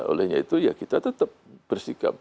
olehnya itu ya kita tetap bersikap